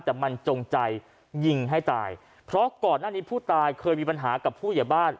แต่มันจงใจยิงให้ตายเพราะก่อนหน้านี้ผู้ตายเคยมีปัญหากับผู้ใหญ่บ้าน